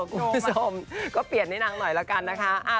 คุณผู้ชมก็เปลี่ยนให้นางหน่อยละกันนะคะ